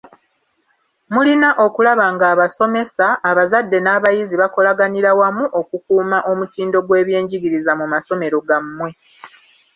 Mulina okulaba ng'abasomesa, abazadde n'abayizi bakolaganira wamu okukuuma omutindo gw'eby'enjigiriza mu masomero gammwe.